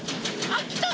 あっきた。